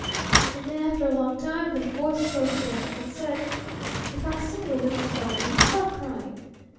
"And then after a long time the Voice spoke again and it said, 'If I'll sing you a little song, will you stop crying?'